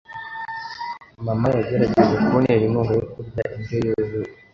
Mama yagerageje kuntera inkunga yo kurya indyo yuzuye.